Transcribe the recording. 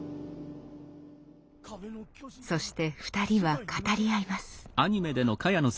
そして２人は語り合います。